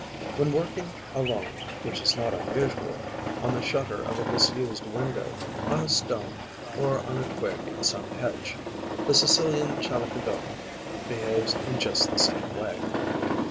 When working alone, which is not unusual, on the shutter of a disused window, on a stone, or on a twig in some hedge, the Sicilian Chalicodoma behaves in just the same way.